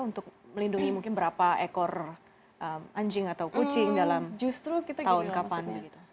untuk melindungi mungkin berapa ekor anjing atau kucing dalam justru tahun kapan